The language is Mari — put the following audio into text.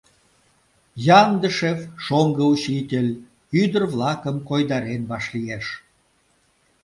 Яндышев, шоҥго учитель, ӱдыр-влакым койдарен вашлиеш.